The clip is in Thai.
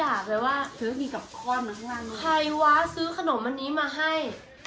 อร่อยมากแล้วกินไปฉันก็นึกจากเลยว่าใครวะซื้อขนมอันนี้มาให้